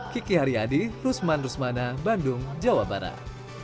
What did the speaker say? kiki haryadi rusman rusmana bandung jawa barat